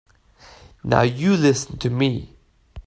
Now you listen to me.